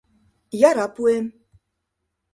— Яра пуэм.